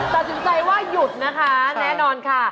ตัดสินใจว่าหยุดนะคะแน่นอนค่ะ